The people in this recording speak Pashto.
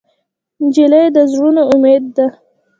نجلۍ د زړونو امید ده.